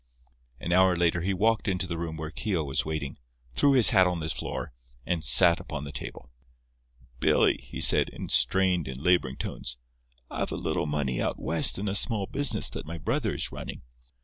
An hour later he walked into the room where Keogh was waiting, threw his hat on the floor, and sat upon the table. "Billy," he said, in strained and labouring tones, "I've a little money out West in a small business that my brother is running.